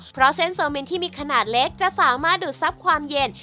เพราะเส้นโซมินที่มีขนาดเล็กจะสามารถดูดทรัพย์ความเย็น